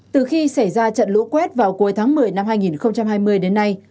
từ khi xảy ra trận lũ quét vào cuối tháng một mươi năm hai nghìn hai mươi đến nay